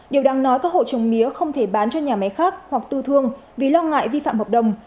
điều đáng nói các hộ trồng mía không thể bán cho nhà máy khác hoặc tu thương vì lo ngại vi phạm hợp đồng